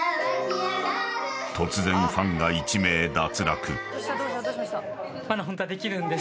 ［突然ファンが１名脱落］